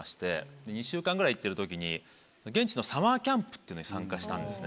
２週間ぐらい行ってるときに現地のサマーキャンプっていうのに参加したんですね。